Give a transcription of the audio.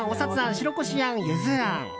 白こしあん、ゆずあん。